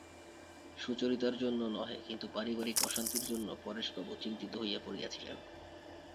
সুচরিতার জন্য নহে, কিন্তু পারিবারিক অশান্তির জন্য পরেশবাবু চিন্তিত হইয়া পড়িয়াছিলেন।